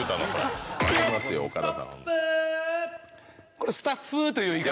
これ「スタッフ」という言い方。